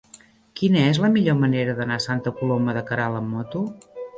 Quina és la millor manera d'anar a Santa Coloma de Queralt amb moto?